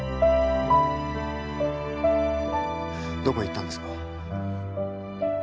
どこ行ったんですか？